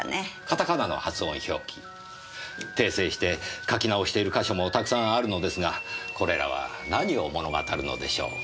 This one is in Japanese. カタカナの発音表記訂正して書き直している箇所もたくさんあるのですがこれらは何を物語るのでしょう。